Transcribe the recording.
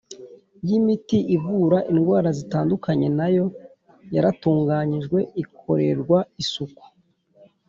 y imiti ivura indwara zitandukanye nayo yaratunganijwe ikorerwa isuku